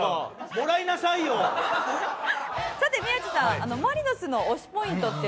さて宮地さん。